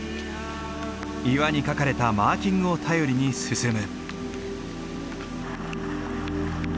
岩に描かれたマーキングを頼りに進む。